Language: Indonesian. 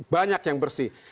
banyak yang bersih